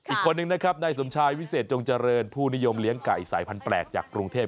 อีกคนนึงนะครับนายสมชายวิเศษจงเจริญผู้นิยมเลี้ยงไก่สายพันธุแปลกจากกรุงเทพ